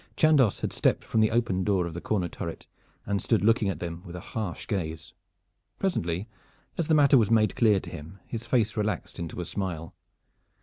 Chandos had stepped from the open door of the corner turret and stood looking at them with a harsh gaze. Presently, as the matter was made clear to him his face relaxed into a smile.